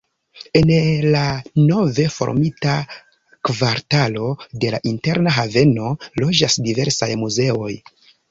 En la nove formita kvartalo de la Interna Haveno loĝas diversaj muzeoj.